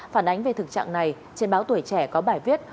phản ánh về thực trạng này trên báo tuổi trẻ có bài viết